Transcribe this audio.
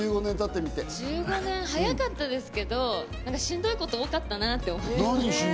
１５年早かったですけど、しんどいこと多かったなって思います。